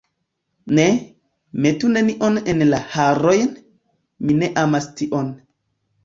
Ne, metu nenion en la harojn, mi ne amas tion.